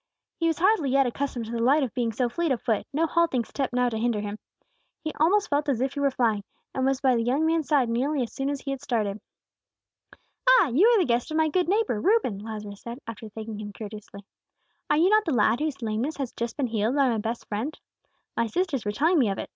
He was hardly yet accustomed to the delight of being so fleet of foot; no halting step now to hinder him. He almost felt as if he were flying, and was by the young man's side nearly as soon as he had started. "Ah, you are the guest of my good neighbor, Reuben," Lazarus said, after thanking him courteously. "Are you not the lad whose lameness has just been healed by my best friend? My sisters were telling me of it.